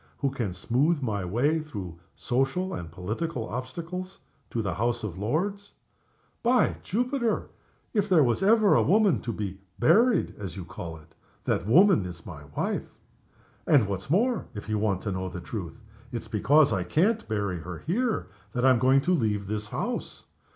who can smooth my way through social obstacles and political obstacles, to the House of Lords? By Jupiter! if ever there was a woman to be 'buried' (as you call it), that woman is my wife. And, what's more, if you want the truth, it's because I can't bury her here that I'm going to leave this house.